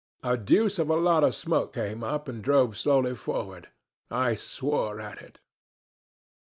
A deuce of a lot of smoke came up and drove slowly forward. I swore at it.